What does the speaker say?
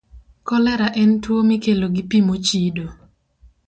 Kolera en tuwo mikelo gi pi mochido.